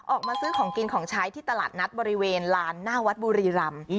ออกมาซื้อของกินของใช้ที่ตลาดนัดบริเวณลานหน้าวัดบุรีรำ